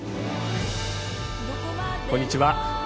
こんにちは。